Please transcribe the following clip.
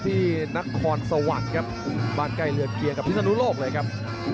ที่นครสวรรค์ครับบ้านใกล้เรือนเคียงกับพิศนุโลกเลยครับ